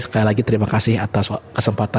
sekali lagi terima kasih atas kesempatan